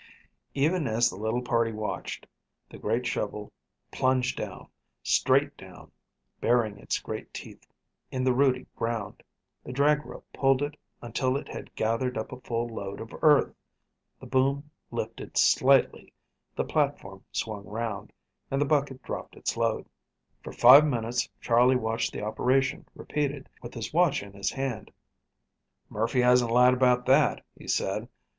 Even as the little party watched, the great shovel plunged down, straight down, burying its great teeth in the rooty ground. The drag rope pulled it in until it had gathered up a full load of earth. The boom lifted slightly, the platform swung around, and the bucket dropped its load. For five minutes Charley watched the operation repeated, with his watch in his hand. "Murphy hasn't lied about that," he said.